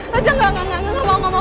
rejah gak gak gak